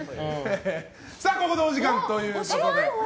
ここでお時間ということで。